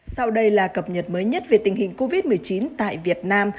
sau đây là cập nhật mới nhất về tình hình covid một mươi chín tại việt nam